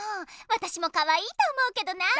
わたしもかわいいと思うけどなあ。